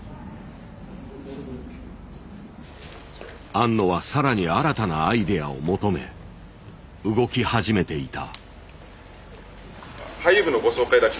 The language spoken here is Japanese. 庵野はさらに新たなアイデアを求め動き始めていた。